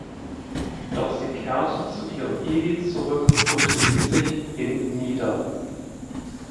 Doch sie kehrte zu ihrem Iwi zurück und ließ sich in nieder.